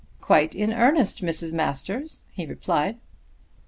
"Quite in earnest, Mrs. Masters," he replied.